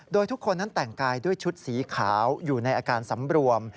โดยทุกคนนั้นแต่งกายด้วยชุดสีขาวอยู่ในอาการสำรวม